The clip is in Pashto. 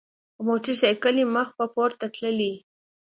او موټر ساېکلې مخ پۀ پورته تللې ـ